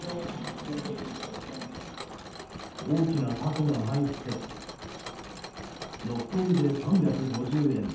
大きなタコが入って６個入りで３５０円。